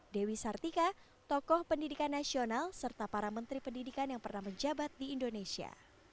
dewi sartika tokoh pendidikan nasional serta para menteri pendidikan yang pernah menjabat di indonesia